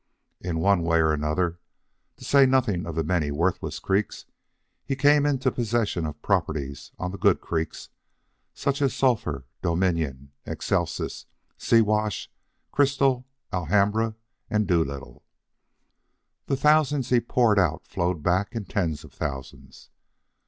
In one way or another (to say nothing of the many worthless creeks) he came into possession of properties on the good creeks, such as Sulphur, Dominion, Excelsis, Siwash, Cristo, Alhambra, and Doolittle. The thousands he poured out flowed back in tens of thousands.